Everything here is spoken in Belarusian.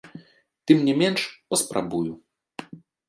Тым не менш, паспрабую.